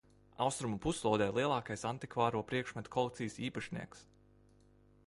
Austrumu puslodē lielākās antikvāro priekšmetu kolekcijas īpašnieks.